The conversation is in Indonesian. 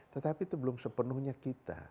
tetapi itu belum sepenuhnya kita